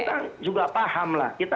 kita juga paham lah